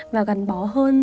và gắn bó hơn